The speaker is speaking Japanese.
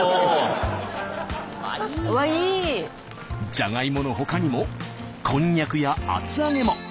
じゃがいものほかにもこんにゃくや厚揚げも。